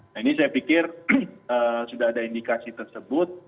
nah ini saya pikir sudah ada indikasi tersebut